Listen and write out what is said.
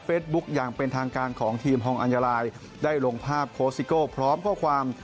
อย่างเป็นทางการของทีมฮองอัญญาไลน์ได้ลงภาพโคสิโก้พร้อมข้อความ